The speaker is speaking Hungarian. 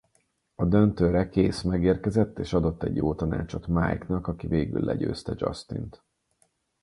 A döntőre Case megérkezett és adott egy jó tanácsot Mikenak aki végül legyőzte Justint.